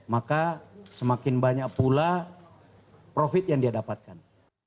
maka semakin banyak pula profit yang dia dapatkan